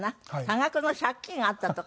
多額の借金があったとか。